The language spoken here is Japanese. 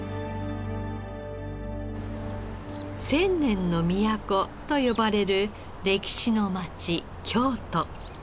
千年の都と呼ばれる歴史の町京都。